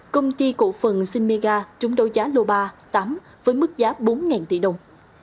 công ty cổ phần sinmega với mức giá bốn tỷ đồng